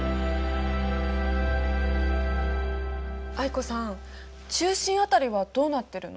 藍子さん中心辺りはどうなってるの？